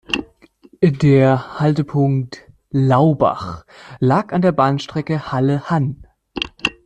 Der Haltepunkt "Laubach" lag an der Bahnstrecke Halle–Hann.